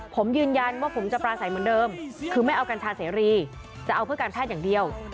ผมยืนยันว่าผมจะปราศัยเหมือนเดิมคือไม่เอากัญชาเสรีจะเอาเพื่อการแพทย์อย่างเดียว